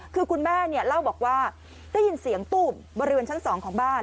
คือคุณแม่เนี่ยเล่าบอกว่าได้ยินเสียงตู้มบริเวณชั้น๒ของบ้าน